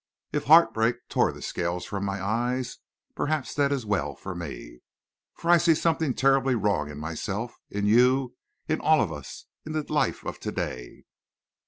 If heartbreak tore the scales from my eyes, perhaps that is well for me. For I see something terribly wrong in myself, in you, in all of us, in the life of today."